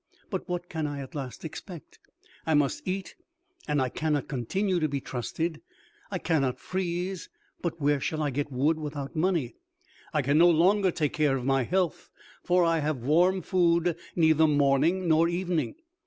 But what can I at last expect? I must eat, and I cannot continue to be trusted. I cannot freeze, but where shall I get wood without money? I can no longer take care of my health, for I have warm food neither morning nor evening.